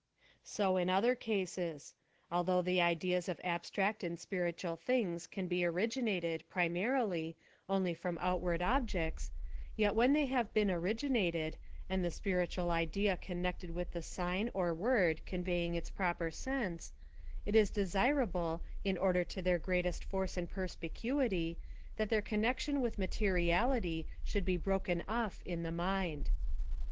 So in other cases ; al though the ideas of abstract and spiritual things can be originated, primarily, only from outward objects, yet when they have been originated, and the spirit ual idea connected with the sign or word conveying its proper sense, it is desirable, in order to their great est force and perspicuity, that their connection with materiality should be broken off in the mind.